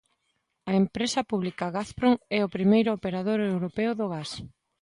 A empresa pública Gazprom é o primeiro operador europeo do gas.